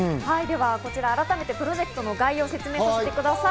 改めてプロジェクトの概要を説明させてください。